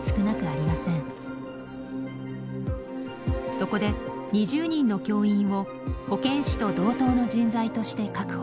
そこで２０人の教員を保健師と同等の人材として確保。